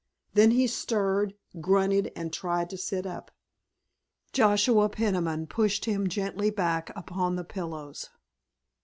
Then he stirred, grunted, and tried to sit up. Joshua Peniman pushed him gently back upon the pillows.